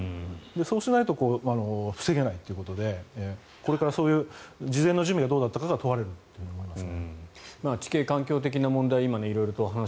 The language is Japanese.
そうしないと防げないということでこれからそういう事前の準備がどうだったかが問われると思います。